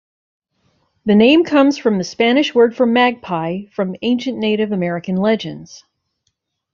The name comes from the Spanish word for magpie from ancient Native American legends.